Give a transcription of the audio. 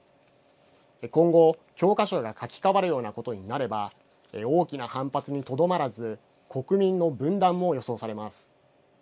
今後、教科書が書き換わるようなことになれば大きな反発にとどまらず国民の分断も予想されます。